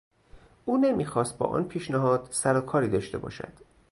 او نمیخواست با آن پیشنهاد سر و کاری داشته باشد.